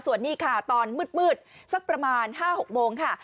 ส่วนนี้ค่ะตอนมืดสักประมาณ๕๖โมงค่ะ